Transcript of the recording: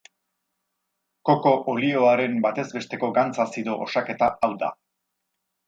Koko olioaren batez besteko gantz-azido osaketa hau da.